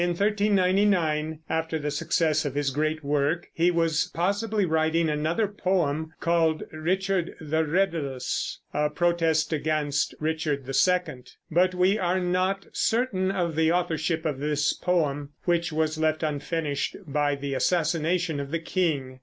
In 1399, after the success of his great work, he was possibly writing another poem called Richard the Redeless, a protest against Richard II; but we are not certain of the authorship of this poem, which was left unfinished by the assassination of the king.